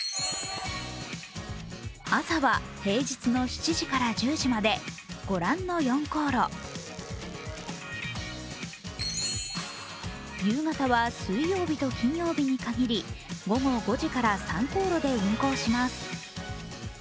朝は平日の７時から１０時までご覧の４航路、夕方は水曜日と金曜日に限り午後５時から３航路で運航します。